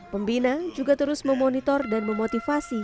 pembina juga terus memonitor dan memotivasi